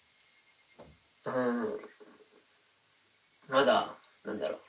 まだ何だろう。